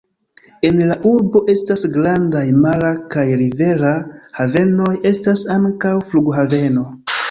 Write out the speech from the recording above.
En la urbo estas grandaj mara kaj rivera havenoj; estas ankaŭ flughaveno.